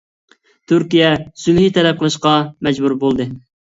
تۈركىيە سۈلھى تەلەپ قىلىشقا مەجبۇر بولدى.